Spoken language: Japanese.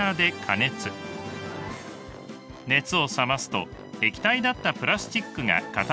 熱を冷ますと液体だったプラスチックが固まっています。